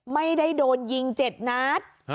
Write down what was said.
ไม่ได้โดนยิงเจ็ดนัด